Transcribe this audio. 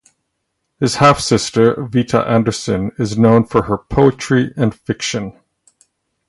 His half-sister Vita Andersen is known for her poetry and fiction.